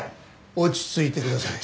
落ち着いてください。